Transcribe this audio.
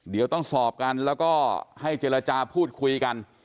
เดี๋ยวต้องสอบกันแล้วก็ให้เจรจาพูดคุยกัน